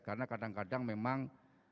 karena kadang kadang memang